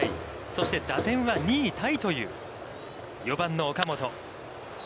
そして打点は２位タイという４番の岡本。